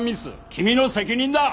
君の責任だ！